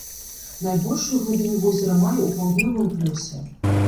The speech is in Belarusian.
Найбольшую глыбіню возера мае ў паўднёвыя плёсе.